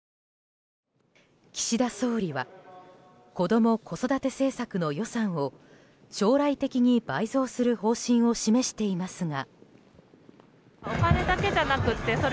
岸田総理は子ども・子育て政策の予算を将来的に倍増する方針を示していますが。